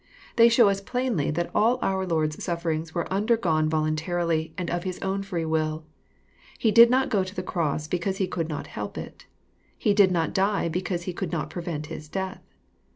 They show us plainly that all our Lord's sufferings were undergone voluntarily, and of His own free will. He did not go to the cross because He could not help it. He did not die because He could not prevent His death.